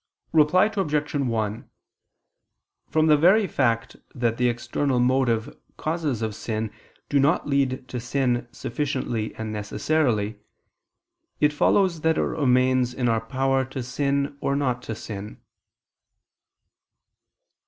Reply Obj. 1: From the very fact that the external motive causes of sin do not lead to sin sufficiently and necessarily, it follows that it remains in our power to sin or not to sin.